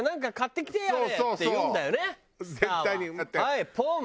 はいポン！